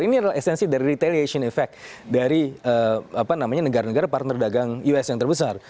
ini adalah esensi dari retaliation effect dari negara negara partner dagang us yang terbesar